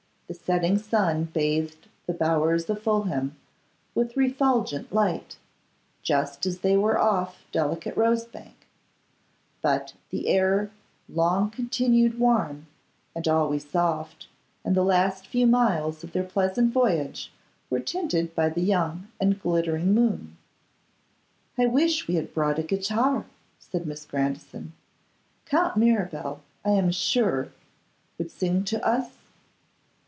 The setting sun bathed the bowers of Fulham with refulgent light, just as they were off delicate Rosebank; but the air long continued warm, and always soft, and the last few miles of their pleasant voyage were tinted by the young and glittering moon. 'I wish we had brought a guitar,' said Miss Grandison; 'Count Mirabel, I am sure, would sing to us?